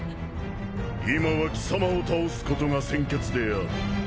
今は貴様を倒すことが先決である。